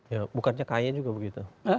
ya bukannya kaye juga begitu